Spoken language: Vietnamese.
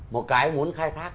một cái muốn khai thác